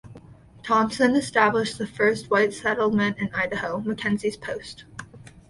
Thompson established the first white settlement in Idaho, MacKenzie's Post.